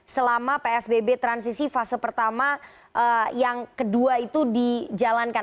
selama psbb transisi fase pertama yang kedua itu dijalankan